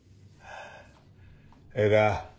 ええか？